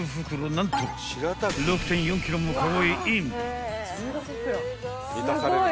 ［何と６．４ｋｇもカゴへイン］